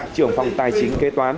trưởng phòng tài chính kế toán